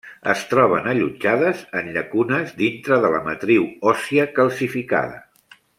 Es troben allotjades en llacunes dintre de la matriu òssia calcificada.